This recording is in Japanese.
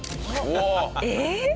えっ？